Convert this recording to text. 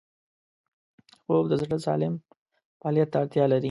خوب د زړه سالم فعالیت ته اړتیا لري